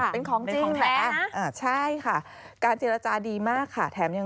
เป็นของจริงนะใช่ค่ะการเจรจาดีมากค่ะ